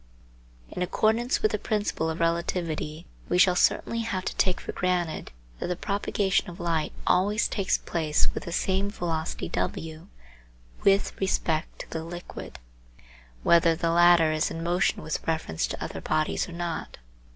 In accordance with the principle of relativity we shall certainly have to take for granted that the propagation of light always takes place with the same velocity w with respect to the liquid, whether the latter is in motion with reference to other bodies or not.